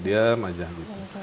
diam aja gitu